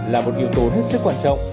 là một yếu tố rất sức quan trọng